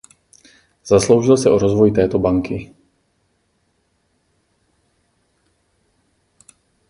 Zasloužil se o rozvoj této banky.